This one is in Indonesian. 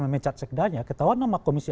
memecat sekdanya ketahuan nama komisi